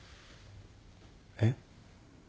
えっ？